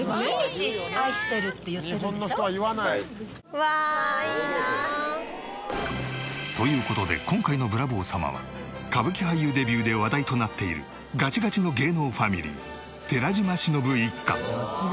うわあ！いいな。という事で今回のブラボー様は歌舞伎俳優デビューで話題となっているガチガチの芸能ファミリー寺島しのぶ一家。